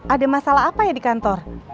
ada masalah apa ya di kantor